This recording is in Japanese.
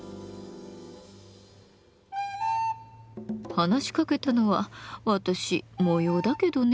話しかけたのは私模様だけどね。